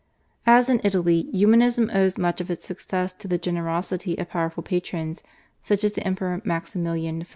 As in Italy, Humanism owes much of its success to the generosity of powerful patrons such as the Emperor Maximilian I.